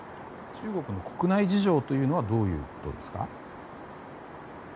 中国の国内事情というのはどういうことですか？